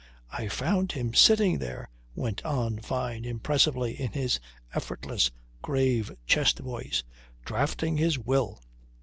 "I found him sitting there," went on Fyne impressively in his effortless, grave chest voice, "drafting his will."